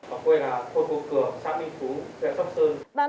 ở quê là thôn cục cửa sạc minh phú đẹp sốc sơn